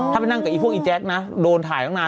ถ้าไปนั่งกับอีพวกอีแจ๊คนะโดนถ่ายตั้งนาน